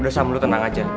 udah sam lu tenang aja